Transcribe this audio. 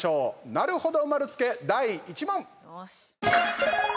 なるほど丸つけ、第１問！